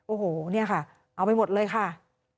โอ้โหเนี่ยค่ะเอาไปหมดเลยค่ะ